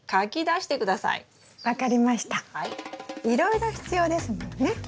いろいろ必要ですものね。